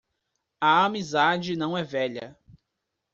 A amizade não é velha.